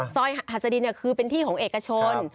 หัสดินคือเป็นที่ของเอกชน